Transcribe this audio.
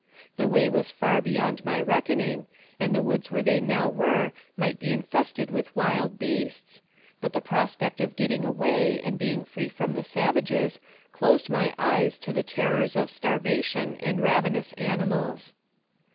The way was far beyond my reckoning, and the woods where they now were might be infested with wild beasts; but the prospect of getting away, and being free from the savages, closed my eyes to the terrors of starvation and ravenous animals.